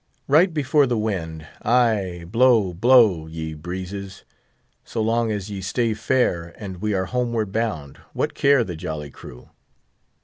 Right before the wind! Ay, blow, blow, ye breezes; so long as ye stay fair, and we are homeward bound, what care the jolly crew?